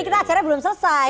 kita acaranya belum selesai